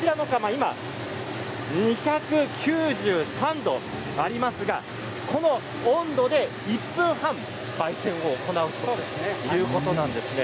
今、２９３度ありますがこの温度で１分半、ばい煎を行うということなんですね。